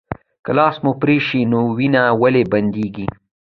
که لاس مو پرې شي نو وینه ولې بندیږي